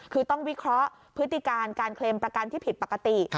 คือต้องวิเคราะห์พฤติการการเคลมประกันที่ผิดปกติ